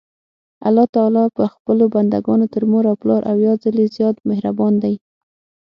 الله تعالی په خپلو بندګانو تر مور او پلار اويا ځلي زيات مهربان دي.